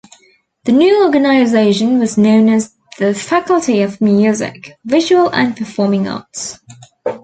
The new organisation was known as the Faculty of Music, Visual and Performing Arts.